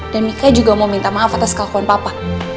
dan mika juga mau minta maaf atas kelepuan papa